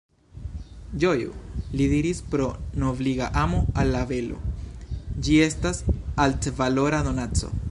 Ĝoju, li diris, pro nobliga amo al la belo; ĝi estas altvalora donaco.